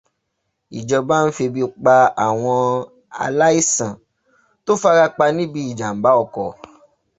Ìjọba ń febi pa àwọn aláìsàn tó fara pa níbi jàm̀bá ọkọ̀.